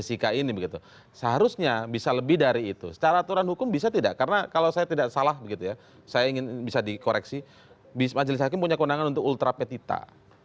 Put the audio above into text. seharusnya bisa lebih dari itu secara aturan hukum bisa tidak karena kalau saya tidak salah begitu ya saya ingin bisa dikoreksi majelis hakim punya kewenangan untuk ultra petita